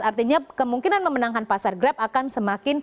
artinya kemungkinan memenangkan pasar grab akan semakin